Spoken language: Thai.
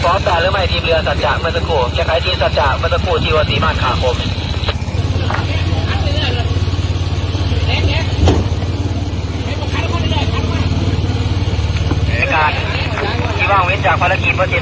สองน้องเปลี่ยนชะวันล้านเลยชะวันครับครับครับ